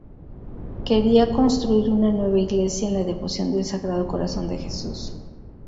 Quería construir una nueva iglesia en la devoción del Sagrado Corazón de Jesús.